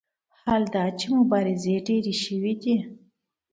حال دا چې مبارزې ډېرې شوې دي.